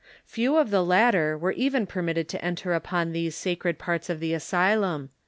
Few of the latter were even permitted to enter upon these sacred parts of the asylum.